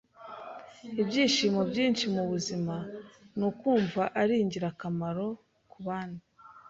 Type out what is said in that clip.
Ibyishimo byinshi mubuzima nukumva ari ingirakamaro kuband